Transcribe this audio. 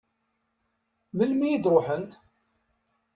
Melmi i d-ruḥent?